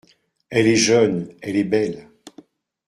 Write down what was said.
Elle est jeune, elle est belle.